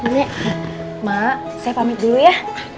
nek mak saya pamit dulu ya